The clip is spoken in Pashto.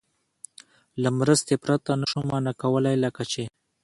له مرستې پرته نه شو مانا کولای، لکه چې